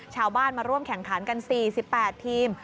ชาวบ้านมาร่วมแข่งขันกัน๔๘ทีม